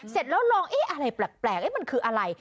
เสร็จแล้วลองเอ๊ะอะไรแปลกมันคืออะไร